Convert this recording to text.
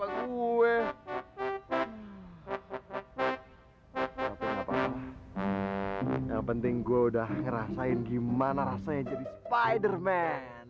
tapi gak papa yang penting gue udah ngerasain gimana rasanya jadi spider man